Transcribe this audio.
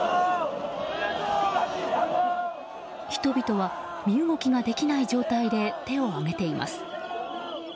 人々は身動きができない状態で手を上げています。